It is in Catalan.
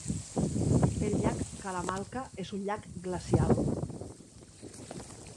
El llac Kalamalka és un llac glacial.